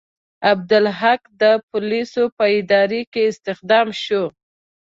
عبدالحق د پولیسو په اداره کې استخدام شو.